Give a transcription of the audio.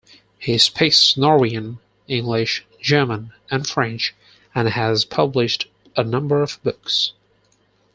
He speaks Norwegian, English, German and French, and has published a number of books.